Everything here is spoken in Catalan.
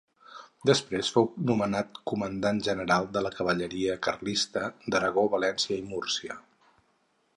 Després fou nomenat comandant general de la cavalleria carlista d'Aragó, València i Múrcia.